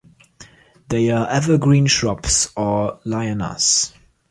They are evergreen shrubs or lianas.